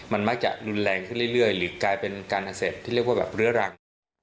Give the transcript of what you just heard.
มันมักจะรุนแรงขึ้นเรื่อยหรือกลายเป็นการอักเสบที่เรียกว่าแบบเรื้อรัง